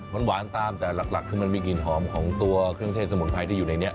มันหวานตามแต่หลักคือมันมีกลิ่นหอมของตัวเครื่องเทศสมุนไพรที่อยู่ในนี้